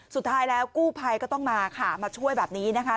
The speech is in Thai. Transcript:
สุดท้ายแล้วกู้ภัยก็ต้องมาค่ะมาช่วยแบบนี้นะคะ